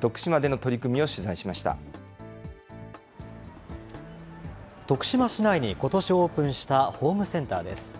徳島での取り組みを取材徳島市内にことしオープンしたホームセンターです。